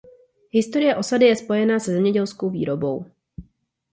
Historie osady je spojena se zemědělskou výrobou.